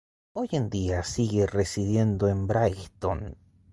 Hoy en día, sigue residiendo en Brighton.